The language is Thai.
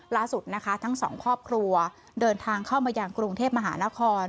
ล่าสุดนะคะทั้งสองครอบครัวเดินทางเข้ามายังกรุงเทพมหานคร